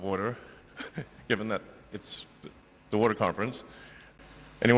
karena ini adalah pemerintah air